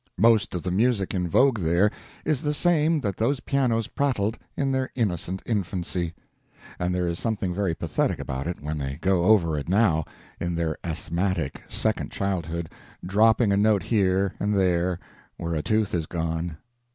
Most of the music in vogue there is the same that those pianos prattled in their innocent infancy; and there is something very pathetic about it when they go over it now, in their asthmatic second childhood, dropping a note here and there where a tooth is gone.